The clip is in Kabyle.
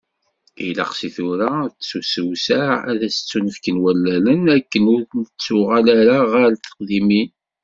Ilaq seg tura, ad tettusewseɛ, ad as-ttunefken wallalen, akken ur nettuɣal ara ɣer teqdimin.